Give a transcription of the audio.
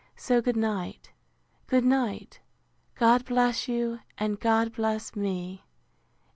So, good night, good night! God bless you, and God bless me!